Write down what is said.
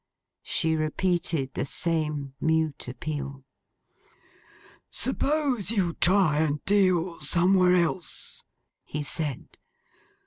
She repeated the same mute appeal. 'Suppose you try and deal somewhere else,' he said.